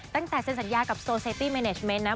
ตั้งแต่เซ็นสัญญากับโซเซตี้เมเนชเมนต์นะ